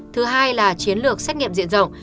thứ hai là chiến lược xét nghiệm diện rộng